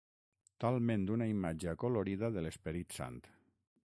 Talment una imatge acolorida de l'Esperit Sant.